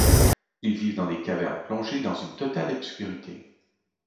Ils vivent dans des cavernes plongées dans une totale obscurité.